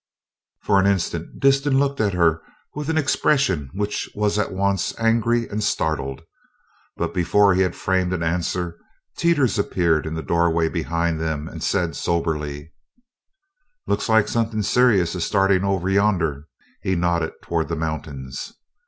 For an instant Disston looked at her with an expression which was at once angry and startled, but before he had framed an answer Teeters appeared in the doorway behind them and said soberly: "Looks like somethin' serious is startin' over yonder." He nodded toward the mountains.